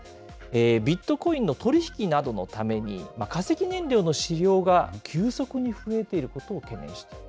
ビットコインの取り引きなどのために、化石燃料の使用が急速に増えていることを懸念している。